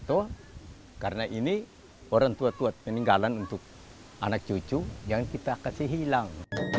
tuh karena ini orang tua tua meninggalan untuk anak cucu jangan kita kasih hilang